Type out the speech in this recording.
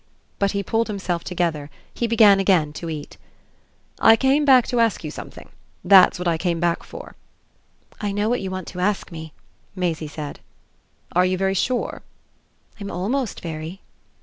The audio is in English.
But he pulled himself together; he began again to eat. "I came back to ask you something. That's what I came back for." "I know what you want to ask me," Maisie said. "Are you very sure?" "I'm ALMOST very."